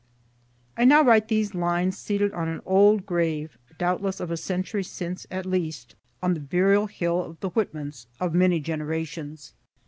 I now write these lines seated on an old grave (doubtless of a century since at least) on the burial hill of the Whitmans of many generations.